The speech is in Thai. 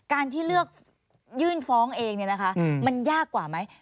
การที่เลือกยื่นฟ้องเองเนี่ยนะคะมันยากกว่าไหม